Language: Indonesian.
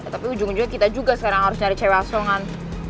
tapi ujung ujungnya kita juga sekarang harus nyari cewek asongan